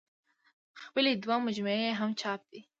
خپلې دوه مجموعې يې هم چاپ دي